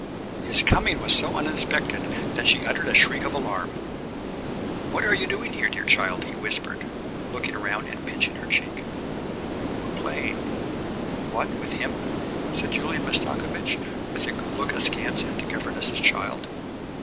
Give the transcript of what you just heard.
His coming was so unexpected that she uttered a shriek of alarm. "What are you doing here, dear child?" he whispered, looking around and pinching her cheek. "We're playing." "What, with him?" said Julian Mastakovich with a look askance at the governess's child.